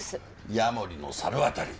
ヤモリの猿渡。